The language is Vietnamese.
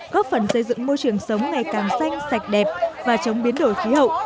góp phần xây dựng môi trường sống ngày càng xanh sạch đẹp và chống biến đổi khí hậu